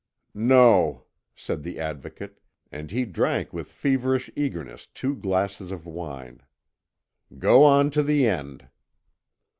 "No," said the Advocate, and he drank with feverish eagerness two glasses of wine; "go on to the end."